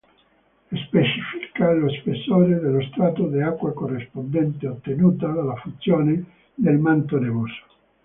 Specifica lo spessore dello strato d'acqua corrispondente ottenuta dalla fusione del manto nevoso.